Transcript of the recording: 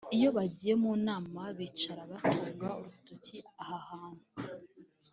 iyo bagiye mu nama bicara batunga urutoki aha hantu